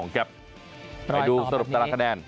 กลายดูสรุปแต่ละคะแนน